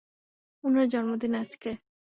উনার জন্মদিন আজকে।